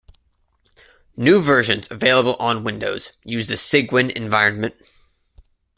New versions available on Windows use the Cygwin environment.